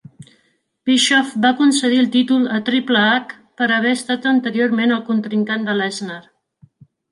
Bischoff va concedir el títol a Triple H per haver estat anteriorment el contrincant de Lesnar.